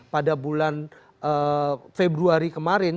pada bulan februari kemarin